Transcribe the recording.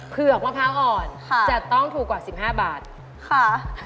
เผือกพะพาหอดจะต้องถูกกว่า๑๕บาทค่ะ